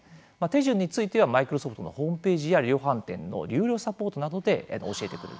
手順についてはマイクロソフトのホームページや量販店の有料サポートなどで教えてくれると思います。